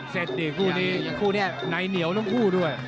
เสร็จดีคู่นี้ไหนเหนียวทั้งคู่ด้วย